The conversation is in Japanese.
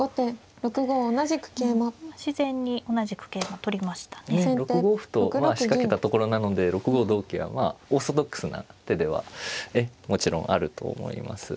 ６五歩と仕掛けたところなので６五同桂はまあオーソドックスな手ではもちろんあると思います。